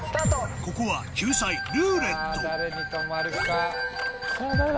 ここは救済「ルーレット」